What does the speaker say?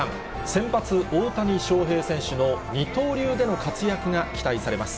先発、大谷翔平選手の二刀流での活躍が期待されます。